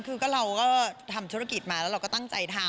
คือเราก็ทำธุรกิจมาแล้วเราก็ตั้งใจทำ